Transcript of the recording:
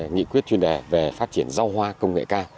nghị quyết chuyên đề về phát triển rau hoa công nghệ cao